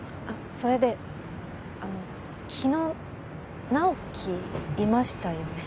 それであの昨日直木いましたよね？